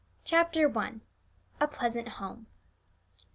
CHAPTER I. A PLEASANT HOME.